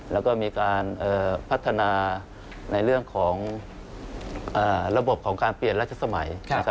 แล้วก็มีการพัฒนาในเรื่องของระบบของการเปลี่ยนรัชสมัย